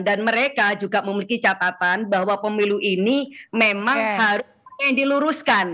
dan mereka juga memiliki catatan bahwa pemilu ini memang harusnya diluruskan